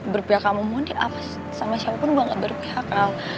berpihak sama mondi sama siapapun gue gak berpihak